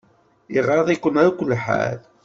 Iɣaḍ-ikun akk lḥal.